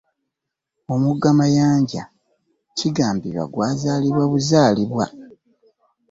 Omugga Mayanja kigambibwa gwazaalibwa buzaalibwa.